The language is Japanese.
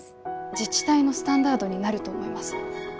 自治体のスタンダードになると思います。